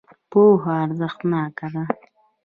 پوهه ارزښتناکه ده.